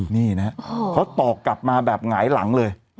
นี่นะเขาตอบกลับมาแบบหงายหลังเลย